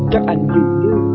các anh dân dân